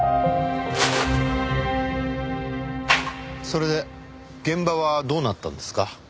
それで現場はどうなったんですか？